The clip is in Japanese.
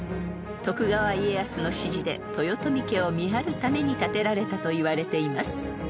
徳川家康の指示で豊臣家を見張るために建てられたといわれています］